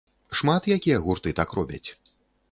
Шмат якія гурты так робяць.